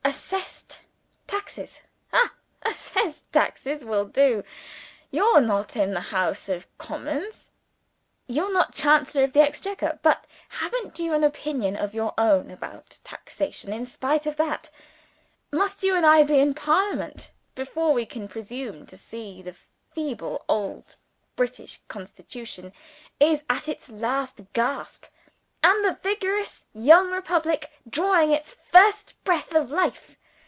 Assessed Taxes. Ha! Assessed Taxes will do. You're not in the House of Commons; you're not Chancellor of the Exchequer but haven't you an opinion of your own about taxation, in spite of that? Must you and I be in Parliament before we can presume to see that the feeble old British Constitution is at its last gasp ?" "And the vigorous young Republic drawing its first breath of life!"